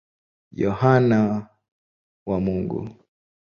Yohane wa Mungu.